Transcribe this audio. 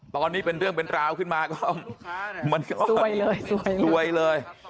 ตอนนี้เป็นเรื่องเป็นราวขึ้นมามันซวยเลย